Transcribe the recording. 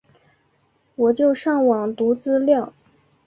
我就上网读资料